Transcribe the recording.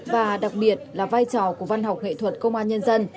và đặc biệt là vai trò của văn học nghệ thuật công an nhân dân